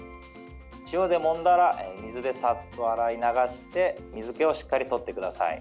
塩でもんだら水でさっと洗い流して水けをしっかりととってください。